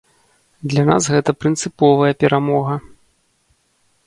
Для нас гэта прынцыповая перамога.